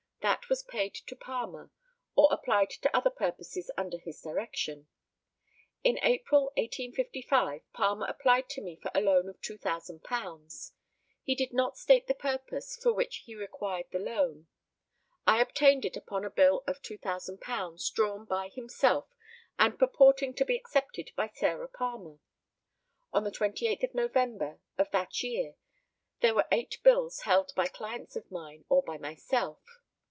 That was paid to Palmer, or applied to other purposes under his direction. In April, 1855, Palmer applied to me for a loan of £2,000. He did not state the purpose for which he required the loan. I obtained it upon a bill for £2,000 drawn by himself, and purporting to be accepted by Sarah Palmer. On the 28th of November of that year there were eight bills held by clients of mine or by myself.